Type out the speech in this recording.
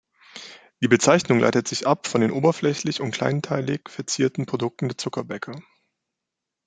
Die Bezeichnung leitet sich ab von den oberflächlich und kleinteilig verzierten Produkten der Zuckerbäcker.